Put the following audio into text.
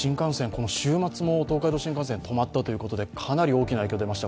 この週末も東海道新幹線止まったということでかなり大きな影響が出ました。